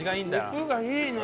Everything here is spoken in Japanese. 肉がいいね。